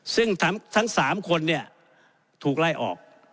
ซึ่งทั้ง๓คนเนี่ยถูกไล่ออก